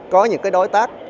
có những đối tác